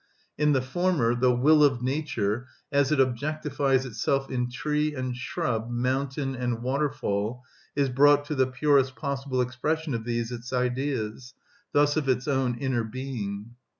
In the former the will of nature, as it objectifies itself in tree and shrub, mountain and waterfall, is brought to the purest possible expression of these its Ideas, thus of its own inner being.